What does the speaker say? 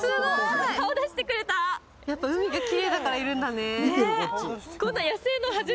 やっぱ海がきれいだからいるんだね。